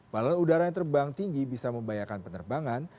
balon udara yang terbang tinggi bisa membahayakan penerbangan